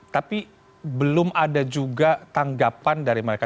tapi belum ada juga tanggapan dari mereka